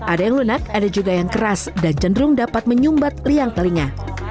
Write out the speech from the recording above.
ada yang lunak ada juga yang keras dan cenderung dapat menyumbat liang telinga